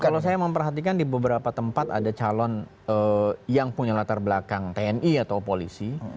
kalau saya memperhatikan di beberapa tempat ada calon yang punya latar belakang tni atau polisi